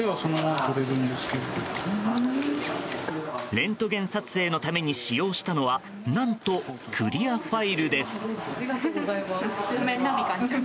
レントゲン撮影のために使用したのは何と、クリアファイルです。